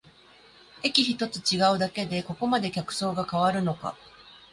駅ひとつ違うだけでここまで客層が変わるのか